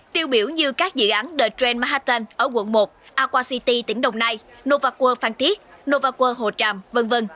tiêu biểu như các dự án the trend manhattan ở quận một aqua city tỉnh đồng nai novaqua phan thiết novaque hồ tràm v v